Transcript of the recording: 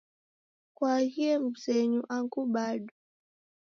Kwaaghie mzenyu angu bado?